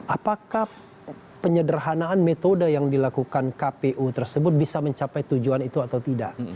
apakah penyederhanaan metode yang dilakukan kpu tersebut bisa mencapai tujuan itu atau tidak